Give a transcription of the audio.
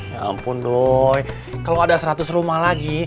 ya ampun doy kalau ada seratus rumah lagi